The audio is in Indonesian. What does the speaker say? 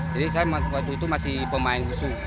jadi saya waktu itu masih pemain wushu